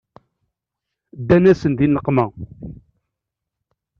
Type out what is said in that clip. Ddan-asen di nneqma.